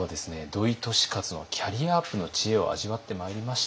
土井利勝のキャリアアップの知恵を味わってまいりました。